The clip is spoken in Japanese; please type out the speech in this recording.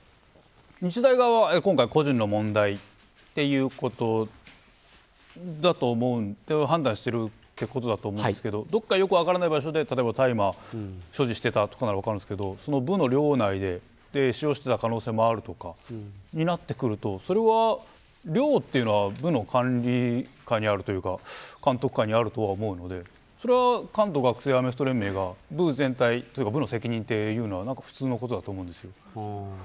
日大側は今回、個人の問題と判断していると思うんですがどこかよく分からない場所で大麻を所持していたということなら分かるんですが部の寮内で所持していた可能性もあるとなってくると寮というのは部の管理下にあるというか監督下にあると思うのでそれは関東学生アメフト連盟が部の責任というのは普通のことだと思います。